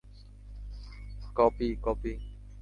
Copy, copy.